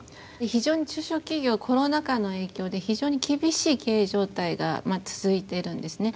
非常に中小企業コロナ禍の影響で非常に厳しい経営状態が続いてるんですね。